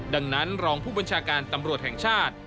ดังนั้นรองผู้บัญชาการตำรวจแห่งชาติ